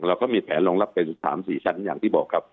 เราก็มีแผนรองรับเป็น๓๔ชั้นอย่างที่บอกครับ